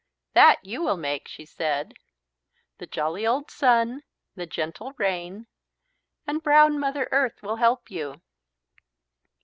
"That you will make," she said. "The jolly old Sun, the gentle Rain, and brown Mother Earth will help you."